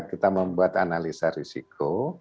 kita membuat analisa risiko